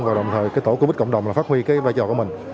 và đồng thời cái tổ covid cộng đồng là phát huy cái vai trò của mình